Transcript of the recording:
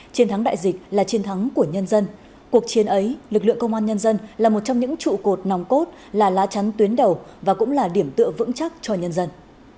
chiến thắng đại dịch là chiến thắng của nhân dân cuộc chiến ấy lực lượng công an nhân dân là một trong những trụ cột nòng cốt là lá chắn tuyến đầu và cũng là điểm tựa vững chắc cho nhân dân